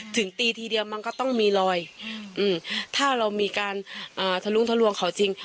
ถึงตีทีเดียวมันก็ต้องมีลอย